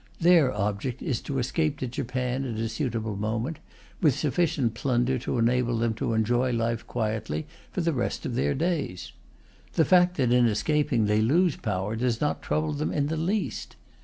Their object is to escape to Japan at a suitable moment; with sufficient plunder to enable them to enjoy life quietly for the rest of their days. The fact that in escaping they lose power does not trouble them in the least.